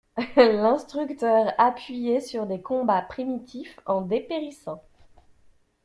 L'instructeur appuyait sur des combats primitifs en dépérissant.